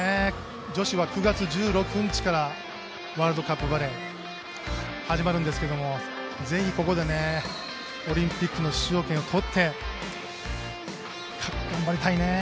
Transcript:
女子は９月１６日からワールドカップバレー始まるんですけどもぜひ、ここでオリンピックの出場権を取って頑張りたいね。